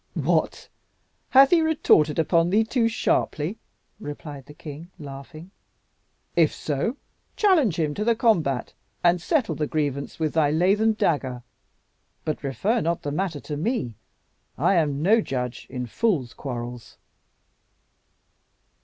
"What! hath he retorted upon thee too sharply?" replied the king, laughing. "If so, challenge him to the combat, and settle the grievance with thy lathen dagger. But refer not the matter to me. I am no judge in fools' quarrels."